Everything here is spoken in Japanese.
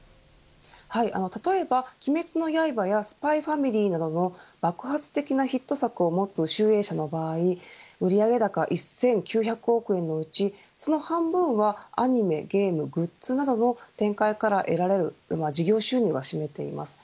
例えば鬼滅の刃やＳＰＹ×ＦＡＭＩＬＹなどの爆発的なヒット作を持つ集英社の場合売り上げ高１９００億円のうちその半分はアニメ、ゲーム、グッズなどの展開から得られる事業収入が占めています。